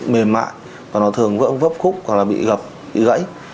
mềm mại và nó thường vỡ khúc hoặc là bị gập bị gãy